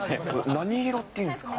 何色っていうんですか。